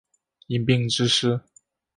因病致仕。